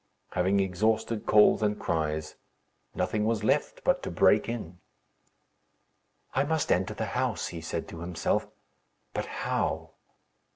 Having exhausted calls and cries, nothing was left but to break in. "I must enter the house," he said to himself; "but how?"